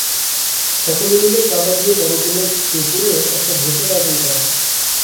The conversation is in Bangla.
সকলে মিলে চাঁদা দিয়ে বড়দিনের দুপুরে একটি ভোজের আয়োজন করা হয়।